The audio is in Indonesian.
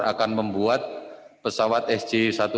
akan membuat pesawat sj satu ratus delapan puluh dua